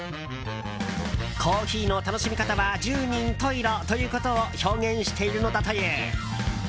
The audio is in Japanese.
コーヒーの楽しみ方は十人十色ということを表現しているのだという。